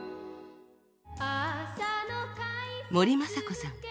森昌子さん。